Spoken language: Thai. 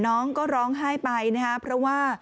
น้องก็ร้องไห้ไปนะครับเพราะว่า